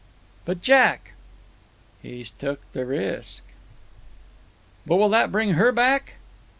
"But, Jack?" "He's took the risk!" "But will that bring HER back?"